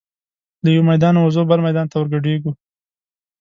له یوه میدانه وزو بل میدان ته ور ګډیږو